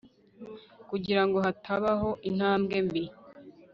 Kugira ngo hatabaho intambwe mbi